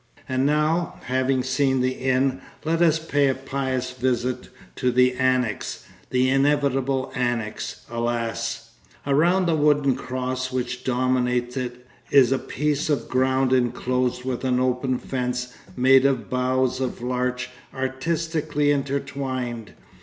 And now, having seen the inn, let us pay a pious visit to the annex, the inevitable annex, alas! Around the wooden cross which dominates it is a piece of ground enclosed with an open fence, made of boughs of larch artistically intertwined.